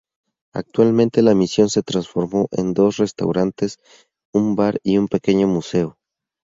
Actualmente la misión se transformó en dos restaurantes, un bar y un pequeño museo.